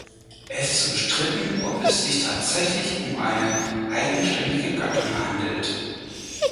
Es ist umstritten, ob es sich tatsächlich um eine eigenständige Gattung handelt.